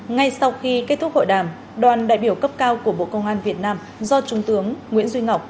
ngay sau khi kết thúc hội đàm đoàn đại biểu cấp cao của bộ công an việt nam do trung tướng nguyễn duy ngọc